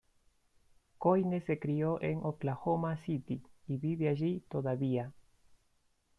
Coyne se crio en Oklahoma City y vive allí todavía.